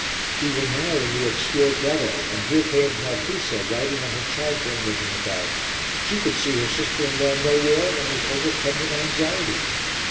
We were now in the obscure grotto and here came Marfisa, riding on her charger and looking about; she could see her sister in law nowhere and was overcome with anxiety.